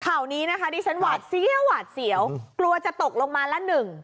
ข่าวนี้นะคะดิฉันหวาดเสียวหวาดเสียวกลัวจะตกลงมาละหนึ่ง